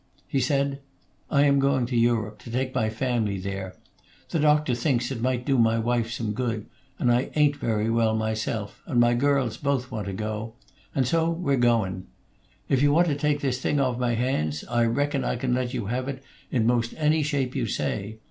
He said: "I am going to Europe, to take my family there. The doctor thinks it might do my wife some good; and I ain't very well myself, and my girls both want to go; and so we're goin'. If you want to take this thing off my hands, I reckon I can let you have it in 'most any shape you say.